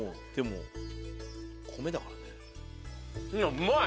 うまい！